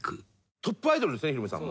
トップアイドルですねヒロミさん。